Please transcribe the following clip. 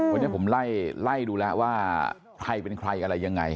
วันนี้ผมไล่ดูแล้วว่าใครเป็นใครอะไรยังไง